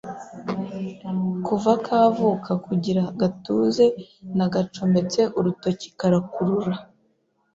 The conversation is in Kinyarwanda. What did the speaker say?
kuva kavuka kugira gatuze nagacometse urutoki karakurura